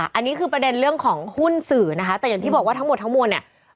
อันนี้คือประเด็นเรื่องของหุ้นสื่อนะคะแต่อย่างที่บอกว่าทั้งหมดทั้งมวลเนี่ย